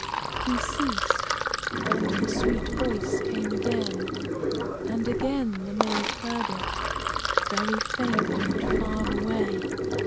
He ceased, and the sweet voice came again. And again the maid heard it, very faint and far away.